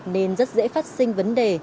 nên rất dễ phát sinh vấn đề